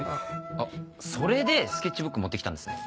あっそれでスケッチブック持ってきたんですね。